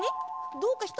どうかした？